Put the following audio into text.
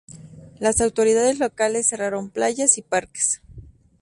Las autoridades locales cerraron playas y parques.